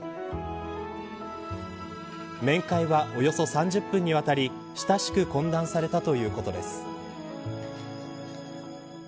面会は、およそ３０分にわたり親しく懇談されたということです。